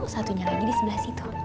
satunya lagi di sebelah situ